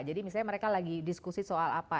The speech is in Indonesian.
jadi misalnya mereka lagi diskusi soal apa